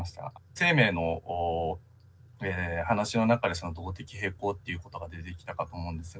生命の話の中で動的平衡っていうことが出てきたかと思うんですが